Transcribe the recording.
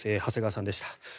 長谷川さんでした。